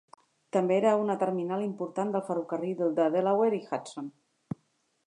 També era una terminal important del ferrocarril de Delaware i Hudson.